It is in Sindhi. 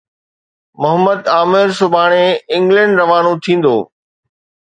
محمد عامر سڀاڻي انگلينڊ روانو ٿيندو